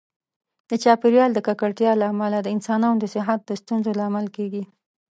د چاپیریال د ککړتیا له امله د انسانانو د صحت د ستونزو لامل کېږي.